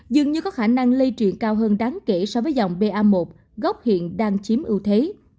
dường như có khả năng lây truyền cao hơn đáng kể so với dòng ba gốc hiện đang chiếm ưu thế